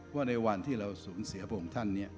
ว่าในวันที่เราศูนย์เสียบวงท่านเนี่ย